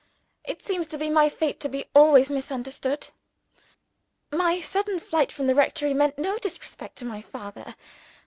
It seems to be my fate to be always misunderstood. My sudden flight from the rectory meant no disrespect to my father.